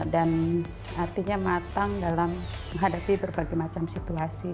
dan artinya matang dalam menghadapi berbagai macam situasi